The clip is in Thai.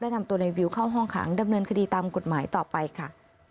นำตัวในวิวเข้าห้องขังดำเนินคดีตามกฎหมายต่อไปค่ะ